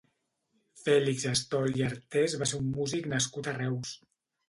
Fèlix Astol i Artés va ser un músic nascut a Reus.